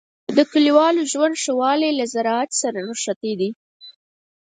د کلیوالو ژوند ښه والی له زراعت سره نښتی دی.